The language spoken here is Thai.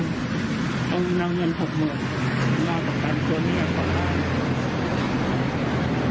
ต้องเอาเงิน๖๐๐๐๐มาประกันตัวแม่ก็ต้อง